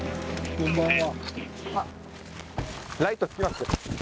こんばんは。